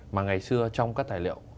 mà ngày xưa trong các tài liệu